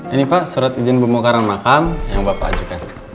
ini pak surat izin pemukaran makan yang bapak ajukan